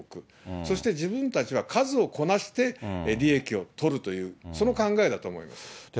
そして、自分たちは数をこなして利益を取るという、その考えだと思います。